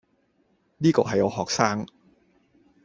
呢個係我學生